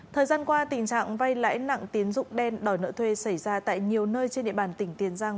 thời gian qua tình trạng vay lãi nặng tiến dụng đen đòi nợ thuê xảy ra tại nhiều nơi trên địa bàn tỉnh tiền giang